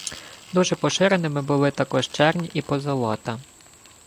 Дуже поширеними були також чернь і позолота.